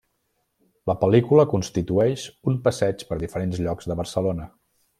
La pel·lícula constitueix un passeig per diferents llocs de Barcelona.